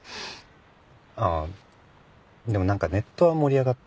ああでもなんかネットは盛り上がってますよね。